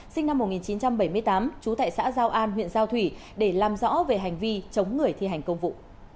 sinh năm một nghìn chín trăm bảy mươi tám trú tại xã giao an huyện giao thủy để làm rõ về hành vi chống người thi hành công vụ